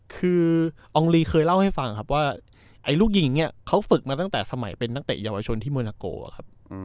คืออองลีเคยเล่าให้ฟังครับว่าไอ้ลูกยิงเนี่ยเขาฝึกมาตั้งแต่สมัยเป็นนักเตะเยาวชนที่เมืองนาโกครับ